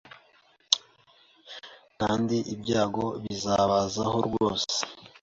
kandi ibyago bizabazaho bose